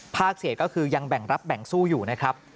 เศษก็คือยังแบ่งรับแบ่งสู้อยู่นะครับ